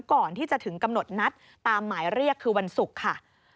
ก่อนที่จะถึงกำหนดนัดตามหมายเรียกคือวันศุกร์ค่ะ